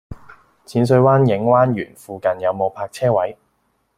淺水灣影灣園附近有無泊車位？